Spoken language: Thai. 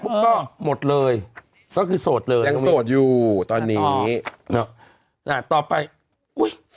ก็หมดเลยก็คือโสดเลยยังโสดอยู่ตอนนี้เนอะอ่าต่อไปอุ้ย